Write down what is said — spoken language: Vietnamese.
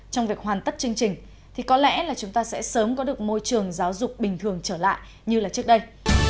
trong việc hoàn tất chương trình thì có lẽ là chúng ta sẽ sớm có được môi trường giáo dục bình thường trở lại như là trước đây